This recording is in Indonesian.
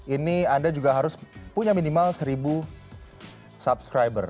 ini anda juga harus punya minimal seribu subscriber